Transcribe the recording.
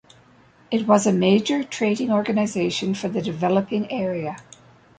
It was a major trading organization for the developing area.